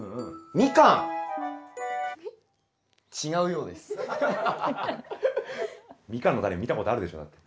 ミカンのタネ見たことあるでしょだって。